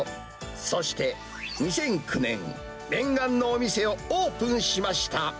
そして２００９年、念願のお店をオープンしました。